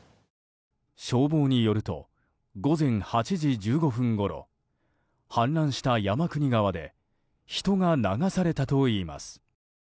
消防によると午前８時１５分ごろ氾濫した山国川で人が流されたといいます。